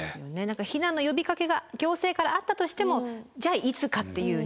避難の呼びかけが行政からあったとしてもじゃあいつかっていうね